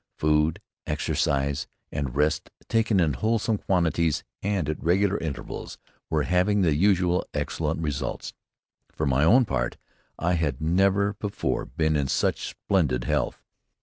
Food, exercise, and rest, taken in wholesome quantities and at regular intervals, were having the usual excellent results. For my own part, I had never before been in such splendid health.